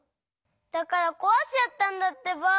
だからこわしちゃったんだってば。